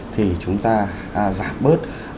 thì chúng ta giảm bớt